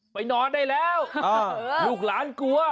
ไปนอนได้แล้วลูกหลานกลัว